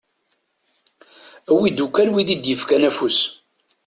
Awi-d ukkan win i d-yefkan afus.